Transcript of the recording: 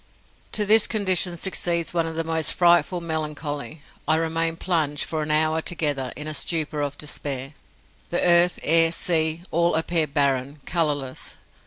To this condition succeeds one of the most frightful melancholy. I remain plunged, for an hour together, in a stupor of despair. The earth, air, sea, all appear barren, colourless.